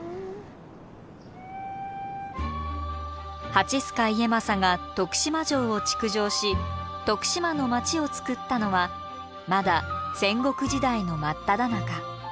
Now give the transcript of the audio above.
蜂須賀家政が徳島城を築城し徳島の町をつくったのはまだ戦国時代の真っただ中。